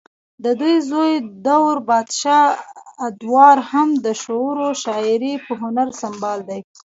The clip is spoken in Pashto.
ددوي زوے دور بادشاه ادوار هم د شعرو شاعرۍ پۀ هنر سنبال دے